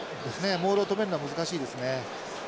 モールを止めるのは難しいですね。